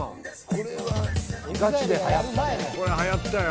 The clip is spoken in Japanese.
これはやったよ。